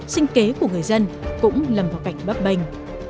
sinh kế của người dân cũng lầm vào cạnh bấp bềnh